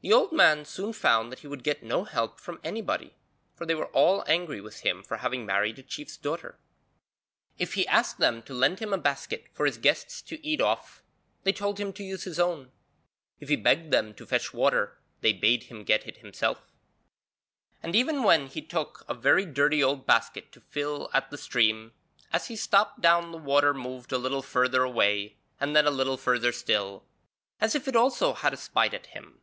The old man soon found that he would get no help from anybody, for they were all angry with him for having married a chief's daughter. If he asked them to lend him a basket for his guests to eat off, they told him to use his own; if he begged them to fetch water, they bade him get it himself, and even when he took a very dirty old basket to fill at the stream, as he stooped down the water moved a little further away and then a little further still, as if it also had a spite at him.